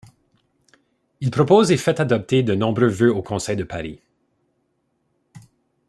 Il propose et fait adopté de nombreux voeux au Conseil de Paris.